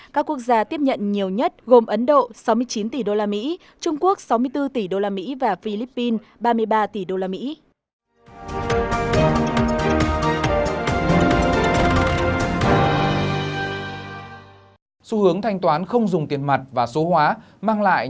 các quốc gia tiếp nhận nhiều nhất gồm ấn độ sáu mươi chín tỷ đô la mỹ trung quốc sáu mươi bốn tỷ usd và philippines ba mươi ba tỷ đô la mỹ